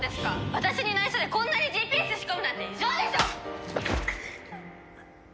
私に内緒でこんなにＧＰＳ仕込むなんて異常でしょ！